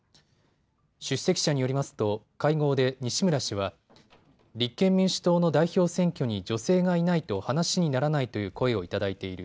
出席者によりますと会合で西村氏は立憲民主党の代表選挙に女性がいないと話にならないという声を頂いている。